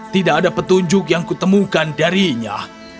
tidak ada petunjuk yang kutemukan darinya